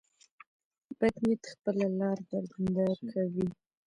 بد نیت خپله لار بنده کوي.